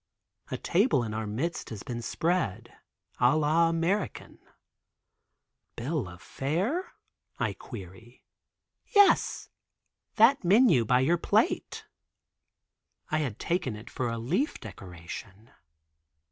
A table in our midst has been spread, a la American. "Bill of fare?" I query. "Yes, that menu by your plate." I had taken it for a leaf decoration.